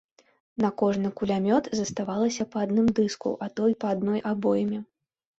На кожны кулямёт заставалася па адным дыску, а то і па адной абойме.